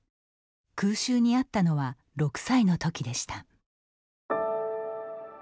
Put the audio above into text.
空襲に遭ったのは６歳のときでした。